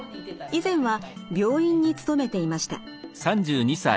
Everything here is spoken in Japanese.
以前は病院に勤めていました。